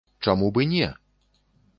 Чаму б і не!